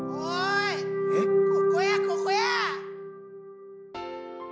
ここやここや！